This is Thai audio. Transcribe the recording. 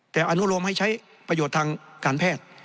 แต่อนุโลมให้ใช้ประโยชน์ทางการแพทย์